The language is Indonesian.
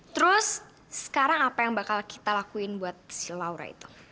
terus sekarang apa yang bakal kita lakuin buat si laura itu